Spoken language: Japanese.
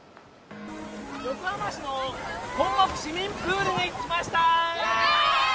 横浜市の本牧市民プールに来ました。